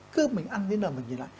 cơm mình ăn thế nào là mình dừng lại